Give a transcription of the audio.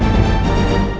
masih ada yang nunggu